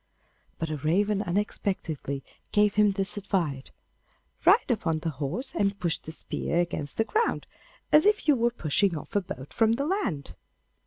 But a raven unexpectedly gave him this advice: 'Ride upon the horse, and push the spear against the ground, as if you were pushing off a boat from the land.